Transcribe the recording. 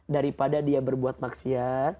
daripada dia berbuat maksiat